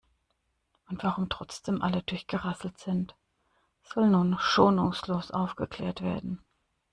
Und warum trotzdem alle durchgerasselt sind, soll nun schonungslos aufgeklärt werden.